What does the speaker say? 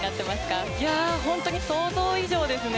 本当に想像以上ですね。